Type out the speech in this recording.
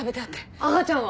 赤ちゃんは！？